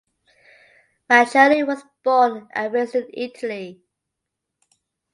Micheli was born and raised in Italy.